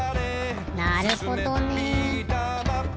なるほどね。